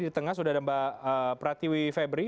di tengah sudah ada mbak pratiwi febri